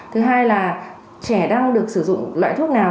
thứ hai là trẻ đang được sử dụng loại thuốc nào